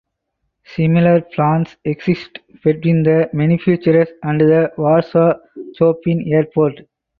Similar plans exist between the manufacturer and the Warsaw Chopin Airport.